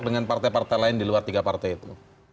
dengan partai partai lain di luar tiga partai itu